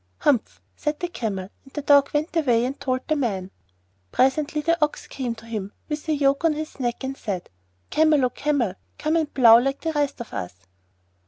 'Humph!' said the Camel; and the Dog went away and told the Man. Presently the Ox came to him, with the yoke on his neck and said, 'Camel, O Camel, come and plough like the rest of us.